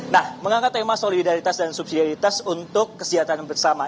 nah mengangkat tema solidaritas dan subsidalitas untuk kesejahteraan bersama